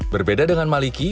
berbeda dengan maliki